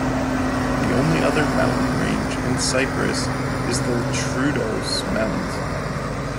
The only other mountain range in Cyprus is the Troodos Mountains.